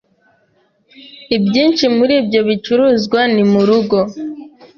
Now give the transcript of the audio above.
Ibyinshi muri ibyo bicuruzwa ni murugo.